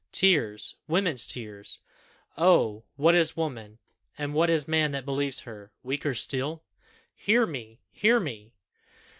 Tears, women's tears! Oh! what is woman! and what is man that believes in her? weaker still?" "Hear me! hear me!"